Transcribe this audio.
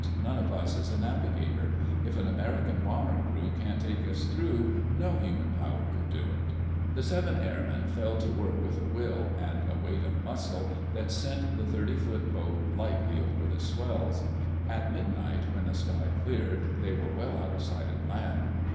"None of us is a navigator. If an American bomber crew can't take us through, no human power could do it." The seven airmen fell to work with a will and a weight of muscle that sent the thirty foot boat lightly over the swells. At midnight, when the sky cleared, they were well out of sight of land.